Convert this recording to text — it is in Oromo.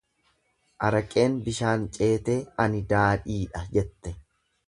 Araqeen bishaan ceetee ani daadhiidha jette.